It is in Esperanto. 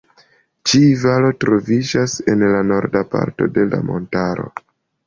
Ĉi valo troviĝas en la norda parto de la montaro.